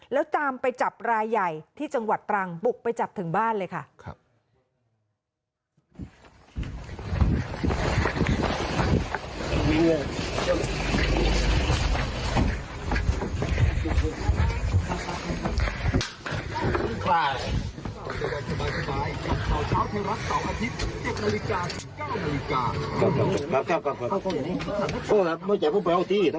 แล้วตามไปจับรายใหญ่ที่จังหวัดตรังบุกไปจับถึงบ้านเลยค่ะ